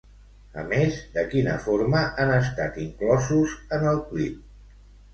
A més, de quina forma han estat inclosos en el clip?